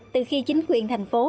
từ khi chính quyền thành phố